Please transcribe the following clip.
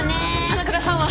花倉さんは？